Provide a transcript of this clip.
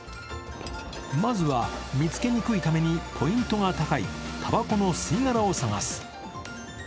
まずは見つけにくいためにポイントが高い、たばこの吸い殻を探す。